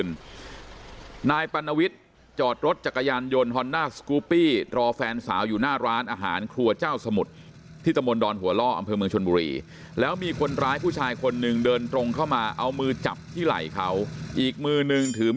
คนร้ายก็เลยตัดสินใจทิ้งจักรยานยนต์เอาไว้แล้วก็วิ่งหนีไปจากนู้นดอนหัวล่อมาถึงพานทองสภพทองเข้ามาตรวจสอบที่เกิดเหตุ